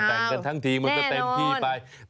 แต่งกันทั้งทีมันก็เต็มที่ไปเห้ยแน่นอน